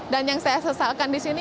dan yang saya sesalkan di sini